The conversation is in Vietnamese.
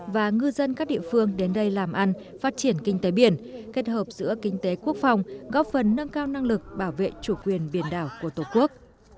và ngư dân các địa phương đến đây làm ăn phát triển kinh tế biển kết hợp giữa kinh tế quốc phòng góp phần nâng cao năng lực bảo vệ chủ quyền biển đảo của tổ quốc